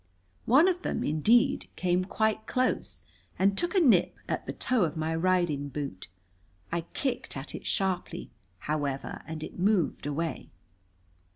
One of them, indeed, came quite close, and took a nip at the toe of my riding boot. I kicked at it sharply, however, and it moved away.